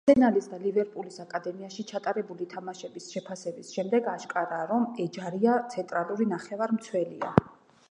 არსენალის და ლივერპულის აკადემიაში ჩატარებული თამაშების შეფასების შემდეგ, აშკარაა, რომ ეჯარია ცენტრალური ნახევარმცველია.